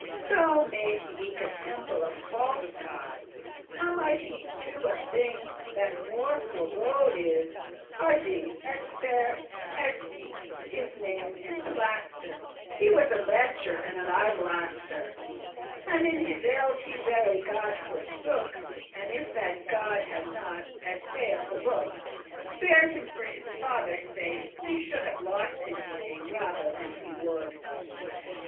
So made he eke a temple of false goddes; How might he do a thing that more forbode* is? *forbidden Pardie, as fair as ye his name emplaster,* *plaster over, "whitewash" He was a lechour, and an idolaster,* *idohater And in his eld he very* God forsook. *the true And if that God had not (as saith the book) Spared him for his father's sake, he should Have lost his regne* rather than he would.